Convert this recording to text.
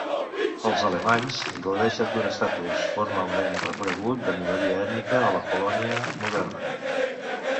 Els alemanys gaudeixen d'un estatus formalment reconegut de minoria ètnica a la Polònia moderna.